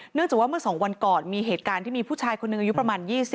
จากว่าเมื่อ๒วันก่อนมีเหตุการณ์ที่มีผู้ชายคนหนึ่งอายุประมาณ๒๐